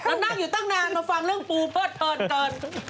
แล้วนั่งอยู่ตั้งนานมาฟังเรื่องปูเพิดเทินเกิน